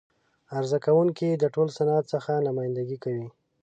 عرضه کوونکی د ټول صنعت څخه نمایندګي کوي.